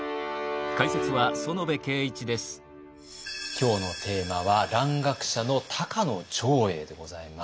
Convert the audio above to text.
今日のテーマは蘭学者の「高野長英」でございます。